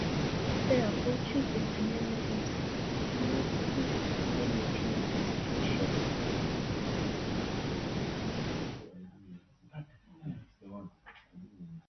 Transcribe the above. Therefore, choosing a name that is not too limiting is crucial.